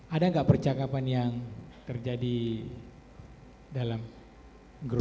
ada gak percakapan yang terjadi dalam grup itu